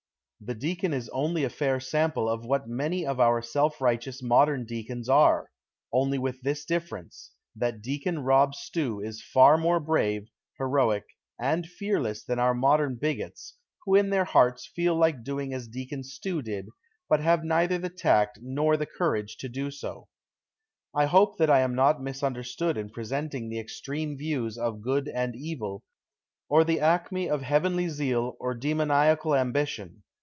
The deacon is only a fair sample of what many of our self righteous modern deacons are, only with this differ ence, that Deacon Rob Stew is far more brave, heroic and fearless than our modern bigots, who in their hearts feel like doing as Deacon Stew did, but have neither the tact nor courage to do so. I hope that I am not misunderstood in presenting the ex treme views of good and evil, or the acme of heavenly zeal or demoniacal ambition